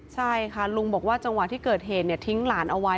ใช่ค่ะลุงบอกว่าจังหวะที่เกิดเหตุทิ้งหลานเอาไว้